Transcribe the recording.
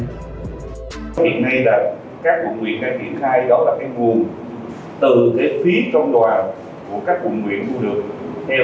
hỗ trợ từ một mươi đến năm mươi triệu